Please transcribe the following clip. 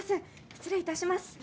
失礼いたします。